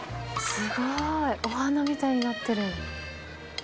すごーい、お花みたいになってる。